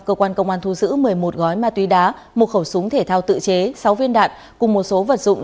cơ quan công an thu giữ một mươi một gói ma túy đá một khẩu súng thể thao tự chế sáu viên đạn cùng một số vật dụng